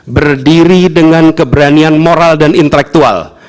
berdiri dengan keberanian moral dan intelektual